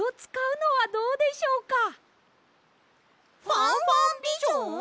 ファンファンビジョン？